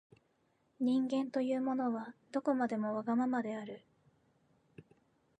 人間というものは、どこまでもわがままである。